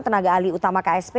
tenaga ahli utama ksp